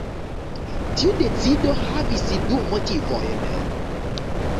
Tiu decido havis du motivojn.